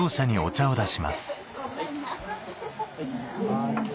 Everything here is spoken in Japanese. はい。